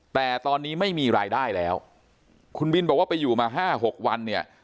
แต่ตอนนี้ไม่มีรายได้แล้วคุณบินบอกว่าไปอยู่มา๕๖วันเนี่ย